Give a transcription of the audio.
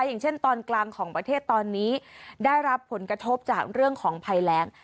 อย่างเช่นตอนกลางของประเทศตอนนี้ได้รับผลกระทบจากเรื่องของภัยแรง